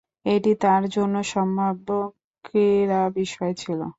এটি তার জন্য সম্ভাব্য ক্রীড়া বিষয় ছিল।